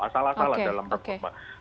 asal asalan dalam rekrutmen